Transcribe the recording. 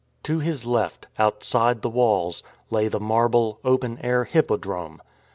To his left, outside the walls, lay the marble, open air Hippodrome.